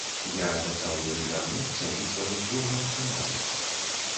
Я абяцаў ёй вярнуцца і сваё слова стрымаю.